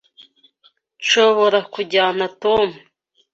Nshobora kujyana Tom.